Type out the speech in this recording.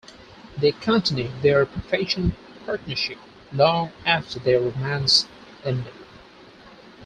They continued their professional partnership long after their romance ended.